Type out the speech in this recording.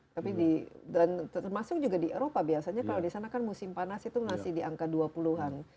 tapi termasuk juga di eropa biasanya kalau di sana kan musim panas itu masih di angka dua puluh an